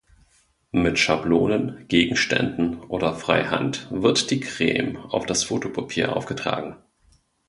Mit Schablonen, Gegenständen oder frei Hand wird die Creme auf das Fotopapier aufgetragen.